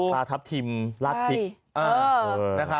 ปลาทับทิมลาดพริก